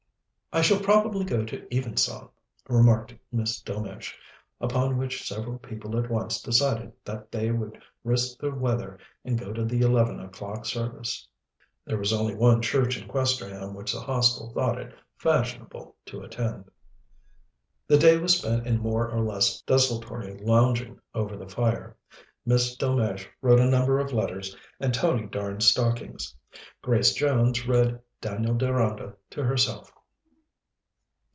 "I shall probably go to evensong," remarked Miss Delmege, upon which several people at once decided that they would risk the weather and go to the eleven o'clock service. There was only one church in Questerham which the Hostel thought it fashionable to attend. The day was spent in more or less desultory lounging over the fire. Miss Delmege wrote a number of letters and Tony darned stockings. Grace Jones read "Daniel Deronda" to herself.